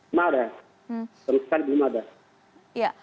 tidak ada selesai belum ada